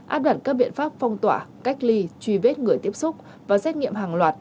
áp đặt các biện pháp phong tỏa cách ly truy vết người tiếp xúc và xét nghiệm hàng loạt